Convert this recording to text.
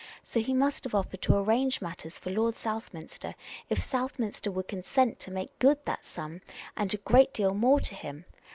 So he must have offered to arrange matters for Lord Southminster if Southminster would consent to make good that sum and a great deal more to him.